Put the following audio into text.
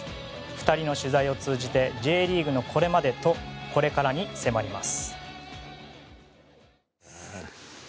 ２人の取材を通じてＪリーグのこれまでとこれからに迫ります。